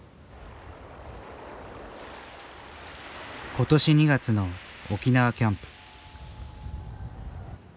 ことし２月の沖縄キャンプ。